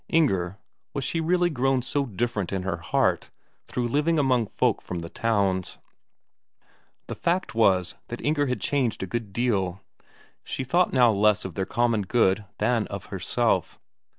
Inger was she really grown so different in her heart through living among folk from the towns? The fact was that Inger had changed a good deal; she thought now less of their common good than of herself.